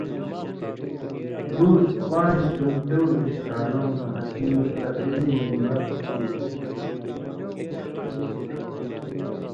رُوس پان٘ژ کم چؤربِش کالؤں نہ اسیں مستقل مېمبر تُھو۔